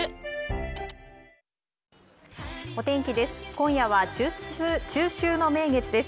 今夜は中秋の名月です。